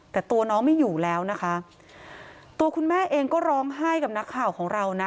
แต่ตัวน้องไม่อยู่แล้วนะคะตัวคุณแม่เองก็ร้องไห้กับนักข่าวของเรานะ